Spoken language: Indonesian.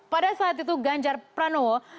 pada saat itu ganjar pranowo